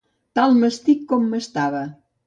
Tal m'estic com m'estava.